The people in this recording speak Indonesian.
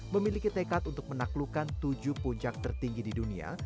memiliki tekad untuk menaklukkan tujuh puncak tertinggi di dunia